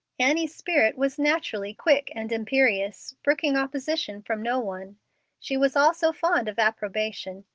Annie's spirit was naturally quick and imperious, brooking opposition from no one. She was also fond of approbation.